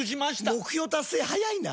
目標達成早いな！